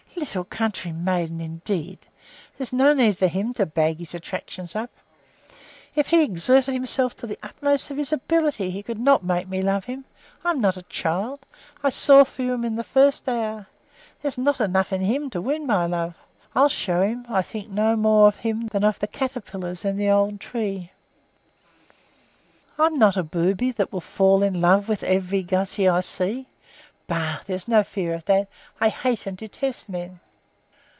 "Little country maiden, indeed! There's no need for him to bag his attractions up. If he exerted himself to the utmost of his ability, he could not make me love him. I'm not a child. I saw through him in the first hour. There's not enough in him to win my love. I'll show him I think no more of him than of the caterpillars on the old tree there. I'm not a booby that will fall in love with every gussie I see. Bah, there's no fear of that! I hate and detest men!"